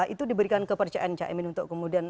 itu diberikan kepercayaan caimin untuk kemudian